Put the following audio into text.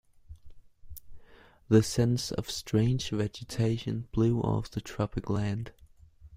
The scents of strange vegetation blew off the tropic land.